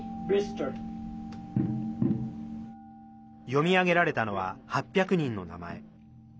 読み上げられたのは８００人の名前。